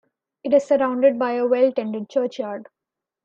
It is surrounded by a well tended churchyard.